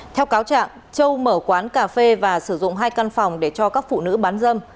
theo cáo trạng châu mở quán cà phê và sử dụng hai căn phòng để cho các phụ nữ bán dâm